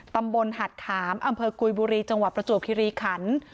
ตำบลหัดขามอำเภอกุยบุรีจังหวัดประจวบคิริขัน